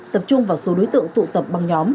tập trung vào số đối tượng tụ tập băng nhóm